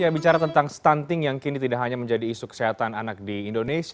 bicara tentang stunting yang kini tidak hanya menjadi isu kesehatan anak di indonesia